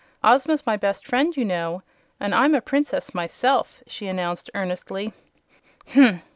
Ozma's my best friend, you know; and I'm a Princess myself," she announced, earnestly.